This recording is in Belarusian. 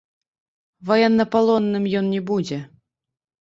Ваеннапалонным ён не будзе.